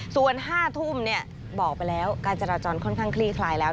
ส่วน๕ทุ่มบอกไปแล้วการจราจรค่อนข้างคลี่คลายแล้ว